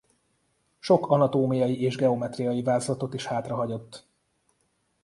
Sok anatómiai és geometriai vázlatot is hátrahagyott.